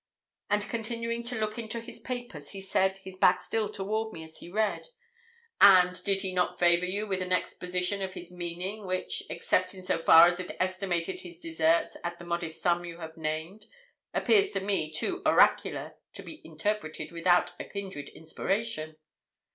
And, continuing to look into his papers, he said, his back still toward me as he read 'And he did not favour you with an exposition of his meaning, which, except in so far as it estimated his deserts at the modest sum you have named, appears to me too oracular to be interpreted without a kindred inspiration?'